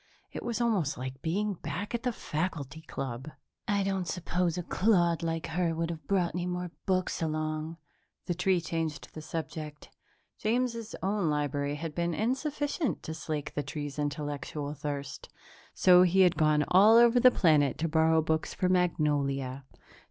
It was almost like being back at the faculty club. "I don't suppose a clod like her would have brought any more books along," the tree changed the subject. James's own library had been insufficient to slake the tree's intellectual thirst, so he had gone all over the planet to borrow books for Magnolia. Dr.